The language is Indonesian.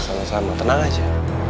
sama sama tenang aja